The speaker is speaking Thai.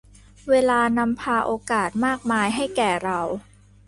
เวลานำพาโอกาสมากมายให้แก่เรา